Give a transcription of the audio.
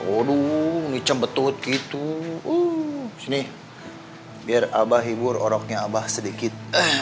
aduh ngecam betut gitu uh sini biar abah hibur orangnya abah sedikit